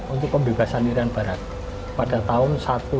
untuk pembebasan nirian barat pada tahun seribu sembilan ratus enam puluh dua